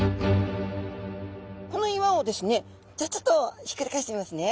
この岩をですねじゃあちょっとひっくり返してみますね。